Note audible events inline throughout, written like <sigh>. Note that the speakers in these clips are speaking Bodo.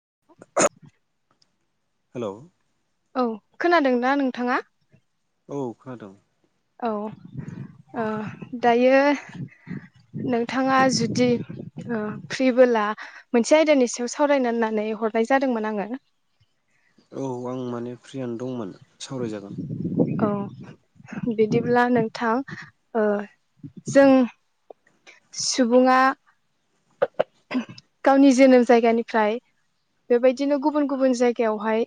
<inaudible> हेल'। औ खोनादोंना नोंथाङा। औ खोनादों। औ दायो नोंथाङा जुदि फ्रिबोला मोनसे आयदानि सायाव सावरायना होननानै हरनाय जादोंमोन आङो औ आं माने फ्रियानो दंमोन। सावराय जागोन। औ बिदिब्ला नोंथां ओ जों सुबुङा गावनि जोनोम जायगानिफ्राय बेबायदिनो गुबुन गुबुन जायगायावहाय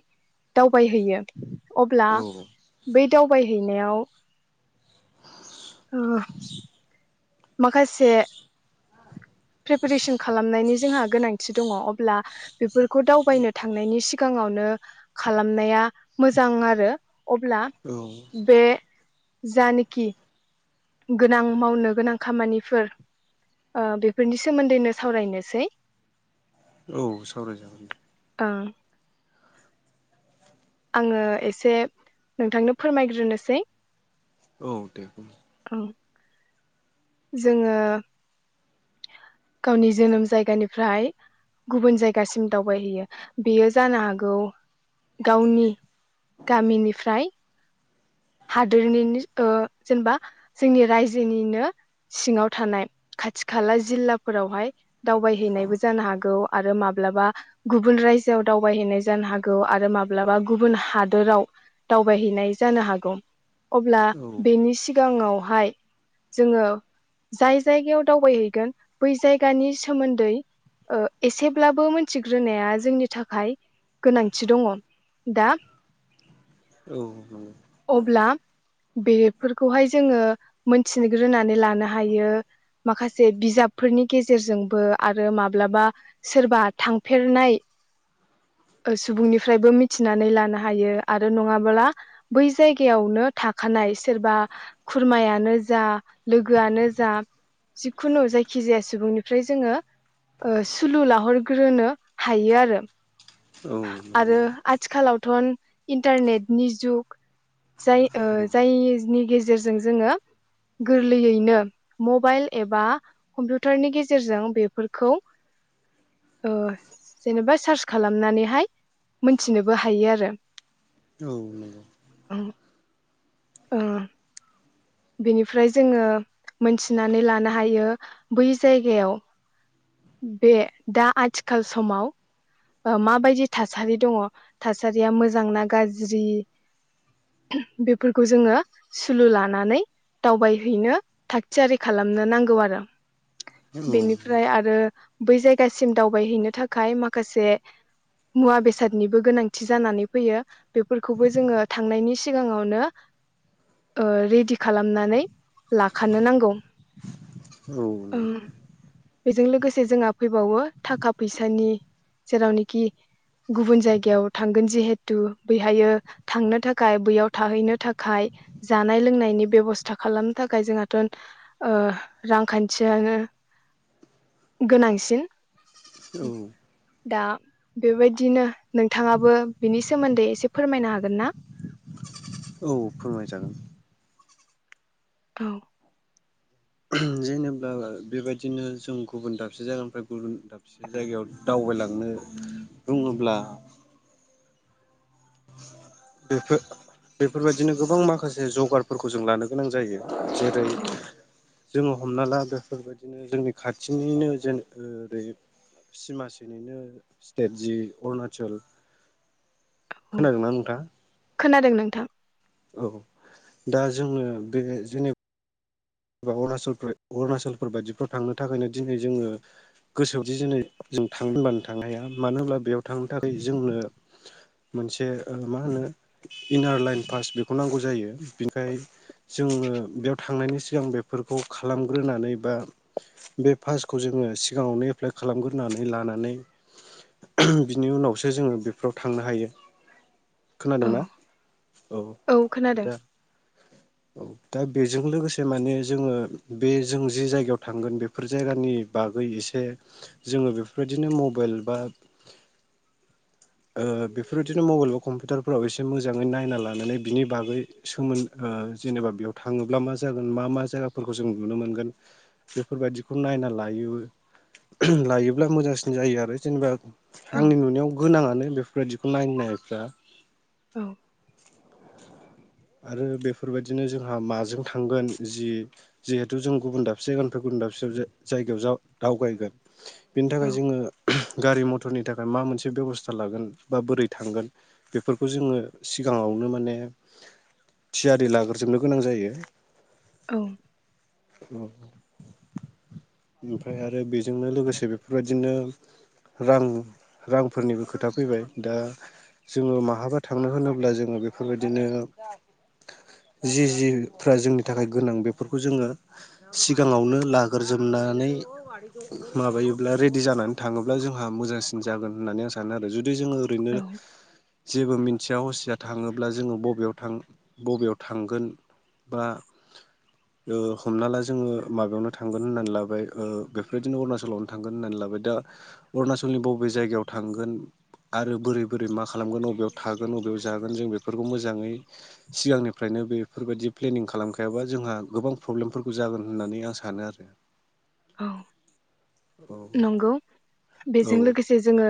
दावबायहैयो अब्ला औ बै दावबायहैनायाव औ। माखासे प्रिपेरेसन खालामनायनि जोंहा गोनांथि दङ अब्ला बेफोरखौ दावबायनो थांनायनि सिगाङावनो खालामनाया मोजां आरो अब्ला औ बे जानखि गोनां मावनो गोनां खामानिफोर बेफोरनि सोमोन्दैनो सावरायनोसै औ सावराय जागोन नोंथां। उम। आङो एसे नोंथांनो फोरमायग्रोनोसै औ दे बुं औ। जोङो गावनि जोनोम जायगानिफ्राय गुबुन जायगासिम दावबायहैयो बेयो जानो हागौ गावनि गामिनिफ्राय हादोरनिनो जेनेबा जोंनि रायजोनिनो सिङाव थानाय खाथि खाला जिल्लाफोरावहाय दावबायहैनायबो जानो हागौ आरो माब्लाबा गुबुन रायजोआव दावबायहैनाय जानो हागौ आरो माब्लाबा गुबुन हादोराव दावबायहैनाय जानो हागौ अब्ला औ बेनि सिगाङावहाय जोङो जाय जायगायाव दावबायहैगोन बै जायगानि सोमोन्दै ओ एसेब्लाबो मोनथिग्रोनाया जोंनि थाखाय गोनांथि दङ दा। औ अब्ला बेफोरखौहाय जोङो मोनथिग्रोनानै लानो हायो माखासे बिजाबफोरनि गेजेरजोंबो आरो माब्लाबा सोरबा थांफेरनाय ओ सुबुंनिफ्रायबो मिथिनानै लानो हायो आरो नङाब्ला बै जायगायावनो थाखानाय सोरबा खुरमायानो जा लोगोआनो जा जिखुनु जायखिजाया सुबुंनिफ्राय जोङो सुलु लाहरग्रोनो हायो आरो औ नंगौ आरो आथिखालाव थ'न इन्टारनेट नि जुग जाय ओ औ जायनि गेजेर गेजेरजों जोङो गोरलैयैनो मबाइल एबा कम्पिउटारनि गेजेरजों बेफोरखौ ओ जेनेबा सार्च खालामनानै <unintelligible> मोनथिनोबो हायो आरो औ नोंगौ <inaudible> ओ बेनिफ्राय जोङो मोनथिनानै लानो हायो बै जायगायाव बे दा आथिखाल समाव ओ माबायदि थासारि दङ थासारिया मोजांना गाज्रि बेफोरखौ जोङो सुलु लानानै दावबायहैनो थाग थियारि खालामनो नांगौ आरो औ बेनिफ्राय आरो बै जायगासिम दावबायहैनो थाखाय माखासे मुवा बेसादनिबो गोनांथि जानानै फैयो बेफोरखौबो जोङो थांनायनि सिगाङावनो ओ रेडि खालामनानै लाखानो नांगौ। औ बेजों लोगो से जोंहा फैबावो थाखा फैसानि जेरावनोखि गुबुन जायगायाव थांगोन जिहेथु बैहायो थांनो थाखाय बैयाव थाहैनो थाखाय जानाय लोंनायनि बेब'स्था खालामनो थाखाय जोंहाथ' ओ रांखान्थिया गोनांसिन औ दा बेबायदिनो नोंथाङाबो बिनि सोमोन्दै एसे फोरमायनो हागोन ना? औ फोरमाय जागोन। औ ओ बेबायदिनो जों गुबुन दाबसे जायगानिफ्राय गुबुन दाबसे जायगायाव दावबायलांनो बुङोब्ला बेफोर बेफोरबायदिनो गोबां माखासे जगारफोरखौ जों लानो गोनां जायो। जेरै औ <inaudible> जोङो हमना ला बेफोरबायदिनो जोंनि खाथिनिनो जेन ओरै सिमासेनिनो स्टेट जि अरुणाचल औ खोनादोंना नोंथाङा? खोनादों नोंथां। औ दा जोङो बे जेने एबा अरुनाचल अरुणाचलफोर बायदिफ्राव थांनो थाखायनो दिनै जोङो गोसोआवदि दिनै जों थांनो होनबानो थांनो हाया मानो होनब्ला बेयाव थांनो थाखाय जोंनो मोनसे मा होनो इनार लाइन पास बेखौ नांगौ जायो बेनिखाय जोङो बेयाव थांनायनि सिगां बेफोरखौ खालामग्रोनानै बा बे फासखौ जोङो सिगाङावनो एप्लाइ खालामग्रोनानै लानानै बिनि उनावसो जोङो बेफोराव थांनो हायो। औ खोनादोंना औ दा औ दा बेजों लोगोसे माने जोङो बे जों जि जायगायाव थांगोन बेफोर जायगानि बागै एसे जोङो बेफोरबायदिनो मबेइल बा ओ बेफोरबायदिनो मबाइल बा कम्पिउटारफोराव एसे मोजाङै नायना लानानै बिनि बागै ओ सोमोन्दो। जेनेबा बेयाव थाङोब्ला मा जागोन मा मा जायगाफोरखौ जों नुनो मोनगोन बेफोरबायदिखौ नायना लायो लायोब्ला मोजांसिन जायो आरो जेनेबा औ आंनि नुनायाव गोनाङानो बे बेफोरबायदिखौ नायनायफ्रा औ आरो बेफोरबायदिनो जोंहा माजों थांगोन जि जिहेथु जों गुबुन दाबसे जायगानिफ्राय गुबुन दाबसे जायगायाव जा दावगायगोन। बिनि औ थाखाय जोङो गारि मथरनि थाखाय मा मोनसे बेब'स्था लागोन बा बोरै थांगोन बेफोरखौ जोङो सिगाङावनो माने थियारि लाग्रजोबनो गोनां जायो। औ ओमफ्राय आरो बेजोंनो लोगोसे बेफोरबायदिनो रां रांफोरनिबो खोथा फैबाय दा जोङो माहाबा थांनो होनोब्ला जोङो बेफोरबायदिनो जि जिफ्रा जोंनि थाखाय गोनां बेफोरखौ जोङो सिगाङावनो लाग्रोजोबनानै माबायोब्ला रेडि जानानै थाङोब्ला जोंहा मोजांसिन जागोन होननानै आं सानो आरो जुदि जे जोङो औ ओैनोनो जेबो मोनथिया हसिया थाङोब्ला जोङो बबेयाव थां बबेयाव थांगोन बा ओ हमना ला जोङो माबायावनो थांगोन होननानै लाबाय बेफोरदिनो अरुणाचलावनो थांगोन होननानै लाबाय दा अरुनाचलनि बबे जायगायाव थांगोन आरो बोरै बोरै मा खालामगोन बबेयाव थागोन बबेयाव जागोन जों बेफोरखौ मोजाङै सिगांनिफ्रायनो बेफोरबायदि प्लेनिं खालामखायाबा जोंहा गोबां प्रब्लेमफोरखौ जागोन होननानै आं सानो आरो औ औ नंगौ औ बेजों लोगोसे जोङो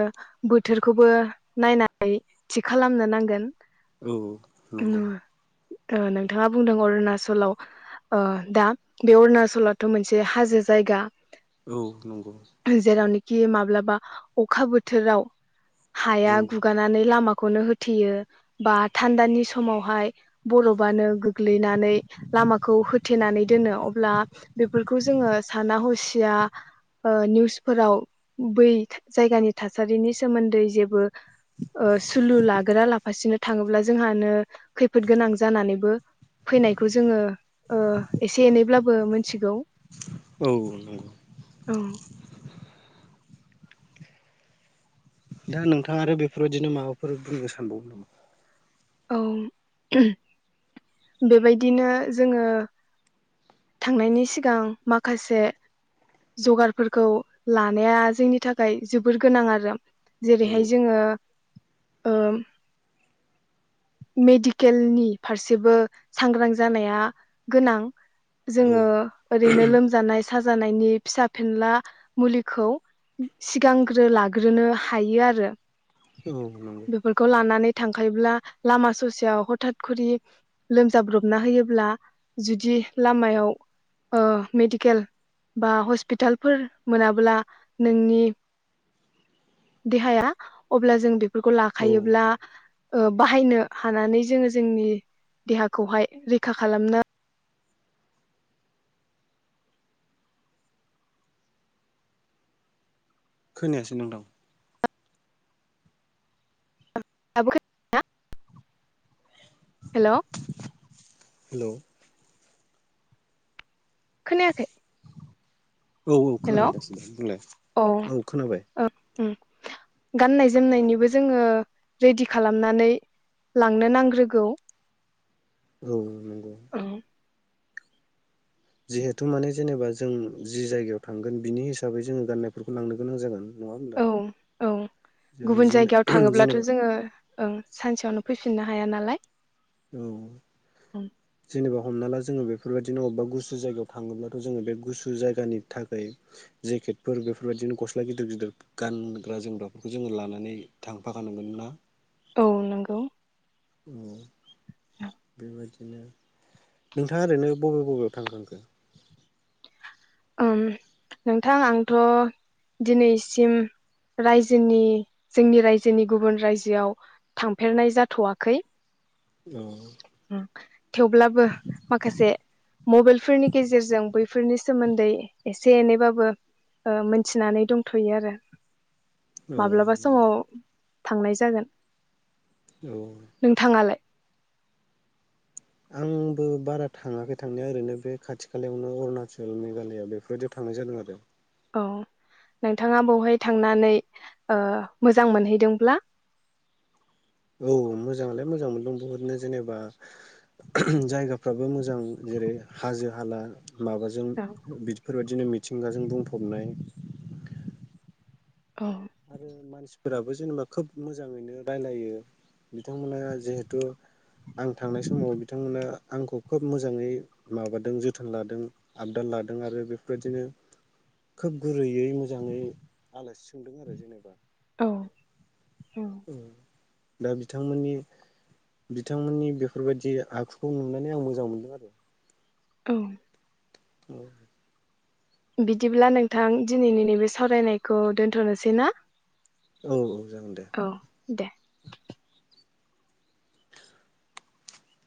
बोथोरखौबो नायनानै थि खालामनो नांगोन। औ नंगौ ओ नोंथाङा बुंदों अरुणाचलाव ओ दा बे अरुणचलथ' मोनसे हाजो जायगा औ नंगौ खि माब्लाबा अखा बोथोराव हाया औ गुगारानानै लामाखौ नो होथेयो बा थान्दानि समावहाय बरफनो गोग्लैनानै लामाखौ होथेनानै दोनो अब्ला बेफोरखौ जोङो साना हसिया ओ निउसफोराव बै जायगानि थासारिनि सोमोन्दै जेबो ओ सुलु लागोरा लाफासिनो थाङोब्ला जोंहानो खैफोद गोनां जानानैबो फैनायखौ जोङो ओ एसे एनैब्लाबो मोनथिगौ औ औ दा नोंथाङा आरो बेफोरबायदिनो माबाफोर बुंनो सानबावो नामा? औ बेबायदिनो जोङो। थांनायनि सिगां माखासे जगारफोरखौ लानाया जोंनि थाखाय जोबोर गोनां आरो औ जेरैहाय जोङो ओ मेडिकेलनि फारसेबो सांग्रां जानाया गोनां औ जोङो ओरैनो लोमजानाय साजानायनि फिसा फेनला मुलिखौ सिगांग्रो लाग्रोनो हायो आरो औ नंगौ बेफोरखौ लानानै थांखायोब्ला लामा ससेयाव हथात खरि लोमजाब्रबना होयोब्ला जुदि लामायाव ओ मेडिकेल बा हस्पिटालफोर मोनाब्ला नोंनि देहाया अब्ला जों बेखौ फोरखौ औ लाखायोब्ला ओ बाहायनो हानानै जोङो जोंनि देहाखौहाय रैखा खालामनो खोनायासै नोंथां दाबो खोनाया हेल' हेल' खोनायाखै औ औ हेल' अ खोनाबाय दासै दां बुंलाय उम औ खोनाबाय गाननाय जोमनायनिबो जोङो रेडि खालामनानै लांनो नांग्रोगौ औ औ जिहेथु माने जेनेबा जों जि जायगायाव थांगोन बिनि हिसाबै जोङो गाननायफोरखौ लांनो गोनां जागोन नङा औ होनोमा गुबुन जायगायाव थाङोब्लाथ' जेनेबा जोङो ओं सानसेयावनो फैफिननो हाया नालाय औ जेनेबा हमना ला जोङो बेफोरबायदिनो अबेबा गुसु जायगायाव थाङोब्लाथ' जोङो बे गुसु जायगानि थाखाय जेकेटफोर बेफोरबायदिनो गस्ला गिदिर गिदिर गानग्रा जोमग्राफोरखौ जोङो लानानै थांफागानो मोन ना औ नंगौ अ बेबायाददिनो नोंथाङा ओरैनो बबे बबेयाव थांखांखो नोंथां आंथ' दिनैसिम रायजोनि जोंनि रायजोनि गुबुन रायजोआव थांफेरनाय जाथ'वाखै औ थेवब्लाबो माखासे मबाइलफोरनि गेजेरजों बै बेफोरनि सोमोन्दै एसे एनैबाबो ओ मिथिनानै दंथ'यो आरो औ माब्लाबा समाव थांनाय जागोन औ नोंथाङालाय आंबो बारा थाङाखै थांनाया ओरैनो बे खाथि खालायावनो अरुणाचल मेघालया बेफोरबायदियाव थांनाय जादों आरो औ नोंथाङा बवहाय थांनानै मोजां मोनहैदोंब्ला औ मोजाङालाय मोजां मोनदों बहुदनो जेनेबा जायगाफ्राबो मोजां जेरै हाजो हाला माबाजों औ बिदिफोरबायदि बिदिनो मिथिंगाजों बुंफबनाय औ आरो मानसिफोराबो जेनेबा खोब मोजाङैनो रायलायो बिथांमोना जिहेथु आं थांनाय समाव बिथांमोना आंखौ खोब मोजाङै माबादों जोथोन लादों आबदार लादों आरो बेफोरबायदिनो खोब गुरैयै मोजाङै आलासि सोंदों आरो जेनेबा औ औ दा बिथांमोननि बिथांमोननि बेफोरबायदि आखुखौ नुनानै आं मोजां मोनदों आरो <inaudible> औ औ बिदिब्ला नोंथां दिनैनि नैबे सावरायनायखौ दोन्थ'नोसै ना औ औ जागोन दे औ दे